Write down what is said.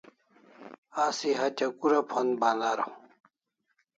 Asi hatya kura phond ban araw?